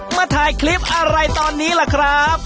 มาถ่ายคลิปอะไรตอนนี้ล่ะครับ